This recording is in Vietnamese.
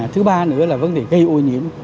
thứ ba nữa là vấn đề gây ô nhiễm